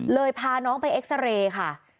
เลยพาน้องไปเอ็กซาเรค่ะ